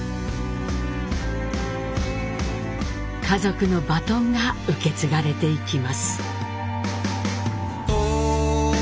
家族のバトンが受け継がれていきます。